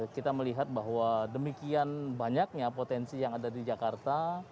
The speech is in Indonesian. kita melihat bahwa demikian banyaknya potensi yang ada di jakarta